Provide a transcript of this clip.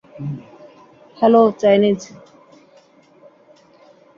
Hello, Chinese.